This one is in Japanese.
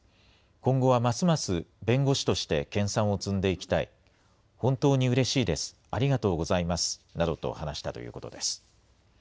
今後はますます弁護士として研さんを積んでいきたい、本当にうれしいです、ありがとうございますなどと話したということです。